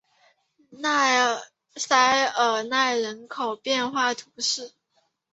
塞尔奈人口变化图示